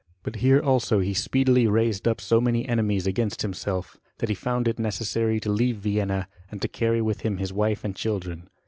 But here also he speedily raised up so many enemies against himself, that he found it necessary to leave Vienna, and to carry with him his wife and children.